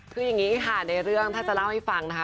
คืออย่างนี้ค่ะในเรื่องถ้าจะเล่าให้ฟังนะคะ